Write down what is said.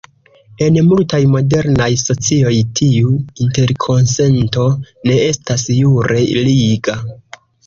En multaj modernaj socioj tiu interkonsento ne estas jure liga.